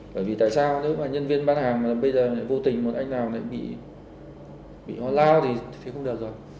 bởi vì tại sao nếu mà nhân viên bán hàng mà bây giờ vô tình một anh nào lại bị hoa lao thì thì không được rồi